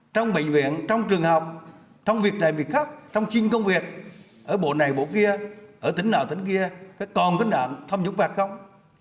trong bệnh viện trong trường học trong việc này việc khác trong chiến công việc ở bộ này bộ kia ở tỉnh nào tỉnh kia còn tính đoạn thâm nhũng và không